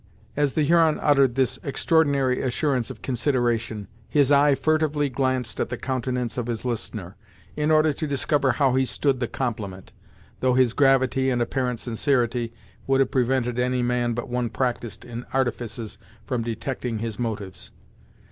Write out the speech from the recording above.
As the Huron uttered this extraordinary assurance of consideration, his eye furtively glanced at the countenance of his listener, in order to discover how he stood the compliment, though his gravity and apparent sincerity would have prevented any man but one practised in artifices, from detecting his motives.